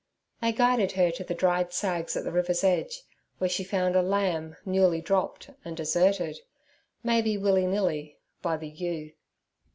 They guided her to the dried saggs at the river's edge, where she found a lamb newly dropped, and deserted, maybe willy nilly, by the ewe.